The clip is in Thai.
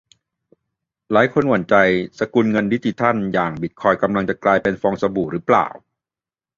หลายคนหวั่นใจ สกุลเงินดิจิทัลอย่างบิตคอยน์กำลังจะกลายเป็นฟองสบู่หรือเปล่า